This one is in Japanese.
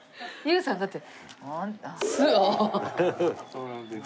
そうなんです。